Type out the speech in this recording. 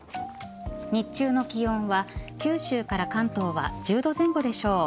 日中の気温は、九州から関東は１０度前後でしょう。